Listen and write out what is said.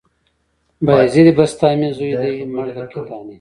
بايزيده بسطامي، زوى دې مړ د کتاني